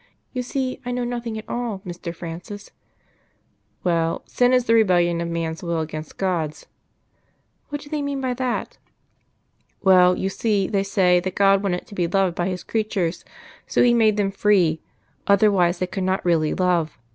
You see, I know nothing at all, Mr. Francis." "Well, sin is the rebellion of man's will against God's." "What do they mean by that?" "Well, you see, they say that God wanted to be loved by His creatures, so He made them free; otherwise they could not really love.